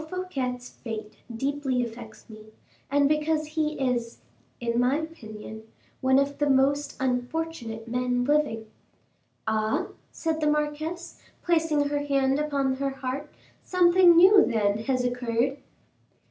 Fouquet's fate deeply affects me, and because he is, in my opinion, one of the most unfortunate men living." "Ah!" said the marquise, placing her hand upon her heart, "something new, then, has occurred?"